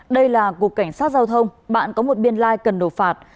đây là cục cảnh sát giao thông bạn có một biên lai cần nộp phạt